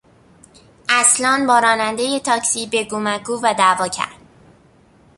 اصلان با رانندهی تاکسی بگومگو و دعوا کرد.